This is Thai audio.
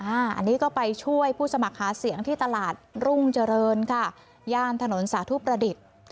อันนี้ก็ไปช่วยผู้สมัครหาเสียงที่ตลาดรุ่งเจริญค่ะย่านถนนสาธุประดิษฐ์